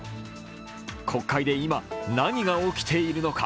国会で今、何が起きているのか。